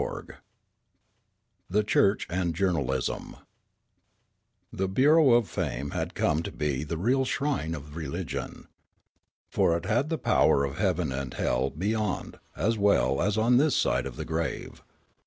CHAPTER X THE CHURCH AND JOURNALISM THE Bureau of Fame had come to be the real shrine of religion. For it had the power of heaven and hell be5 ond as well as on this side of the grave.